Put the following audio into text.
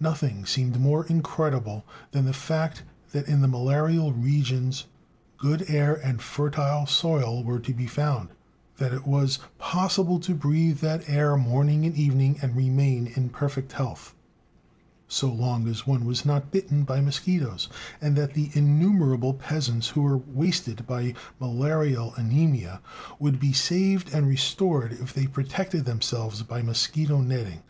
Nothing seemed more incredible than the fact that in the malarial regions good air and fertile soil were to be found, that it was possible to breathe that air morning and evening and remain in perfect health, so long as one was not bitten by mosquitoes, and that the innumerable peasants who were wasted by malarial anemia would be saved and restored if they protected themselves by mosquito netting.